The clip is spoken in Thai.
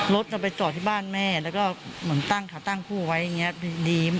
รถจะไปจอดที่บ้านแม่แล้วก็เหมือนตั้งค่ะตั้งคู่ไว้อย่างนี้ดี